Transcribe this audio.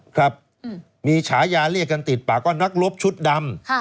ครับมีฉายาเรียกกันติดปากว่านักรบชุดดำ